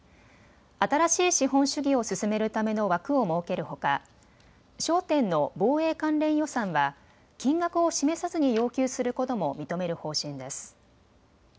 新しい資本主義を進めるための枠を設けるほか、焦点の防衛関連予算は金額を示さずに要求することも認める方針です。